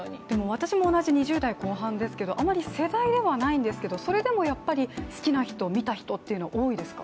私も同じ２０代後半ですけれどもあまり世代ではないんですけれども、それでも好きな人、見た人っていうのは多いですか？